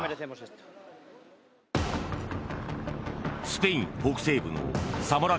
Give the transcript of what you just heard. スペイン北西部のサモラ